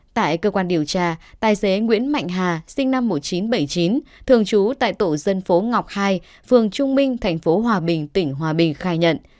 tại cơ quan điều tra tài xế nguyễn mạnh hà sinh năm một nghìn chín trăm bảy mươi chín thường trú tại tổ dân phố ngọc hai phường trung minh thành phố hòa bình tỉnh hòa bình khai nhận